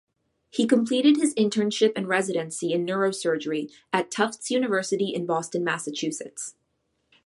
He completed his internship and residency in Neurosurgery at Tufts University in Boston, Massachusetts.